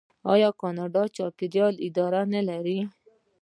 آیا کاناډا د چاپیریال اداره نلري؟